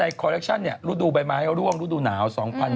ในคอลเลคชั่นนี้ฤดูบ่ายไม้ร่วงฤดูหนาว๒๐๑๘๒๐๑๙